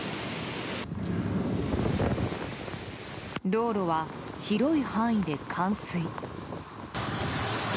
道路は広い範囲で冠水。